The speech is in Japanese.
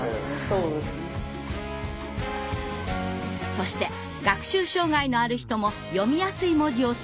そして学習障害のある人も読みやすい文字を追求する